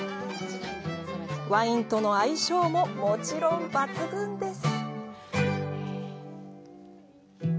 ワインとの相性ももちろん抜群です！